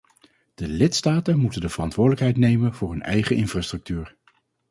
De lidstaten moeten de verantwoordelijkheid nemen voor hun eigen infrastructuur.